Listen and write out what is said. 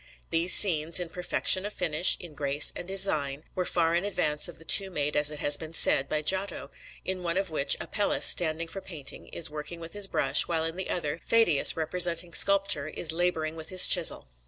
These scenes, in perfection of finish, in grace, and in design, were far in advance of the two made, as it has been said, by Giotto, in one of which Apelles, standing for painting, is working with his brush, while in the other Pheidias, representing sculpture, is labouring with his chisel.